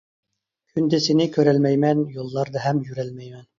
كۈندە سېنى كۆرەلمەيمەن، يوللاردا ھەم يۈرەلمەيمەن.